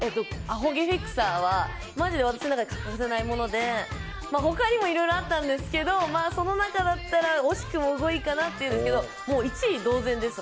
アホ毛フィクサーはマジで私の中で欠かせないもので他にもいろいろあったんですけどその中だったら惜しくも５位かなって感じですけど１位同然です。